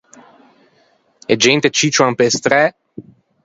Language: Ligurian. E gente ciccioan pe-e stræ.